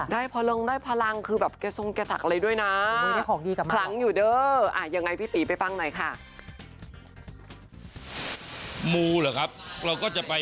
ได้พลังอะไรด้วยนะ